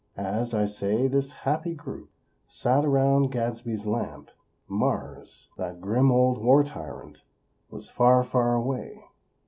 as, I say, this happy group sat around Gadsby's lamp, Mars, that grim old war tyrant, was far, far away.